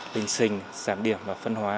bình sình giảm điểm và phân hóa